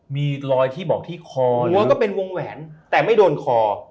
มีรอยที่บอกที่คอหัวก็เป็นวงแหวนแต่ไม่โดนคอ